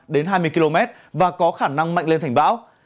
đến hai mươi km và có khả năng mạnh lên thành bão